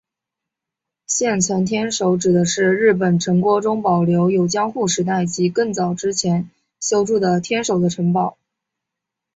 现存天守指的是日本城郭中保留有江户时代及更早之前修筑的天守的城堡。